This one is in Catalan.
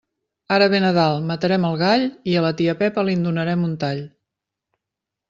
Ara ve Nadal, matarem el gall i a la tia Pepa li'n donarem un tall.